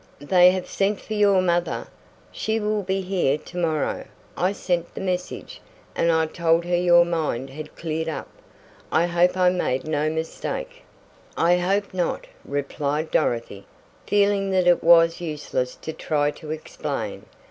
They have sent for your mother. She will be here to morrow. I sent the message, and I told her your mind had cleared up. I hope I made no mistake." "I hope not," replied Dorothy, feeling that it was useless to try to explain.